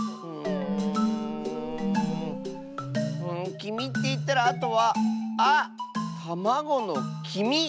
きみっていったらあとはあったまごのきみ！